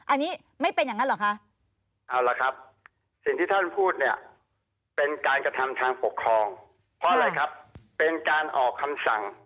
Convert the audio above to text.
อันนี้ไม่เป็นอย่างนั้นเหรอคะ